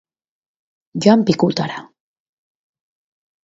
Joan pikutara!